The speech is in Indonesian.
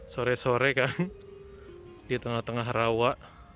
sore sore kan di tengah tengah rawa